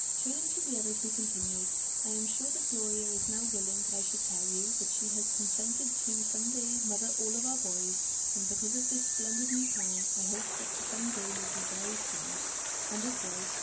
Turning to the others, he continued: "I am sure that Gloria is now willing that I should tell you that she had consented to some day mother all of our boys, and because of this splendid new plan, I hope that the some day may be very soon." And it was.